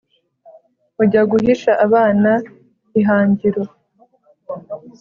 ujya guhisha abana i hangiro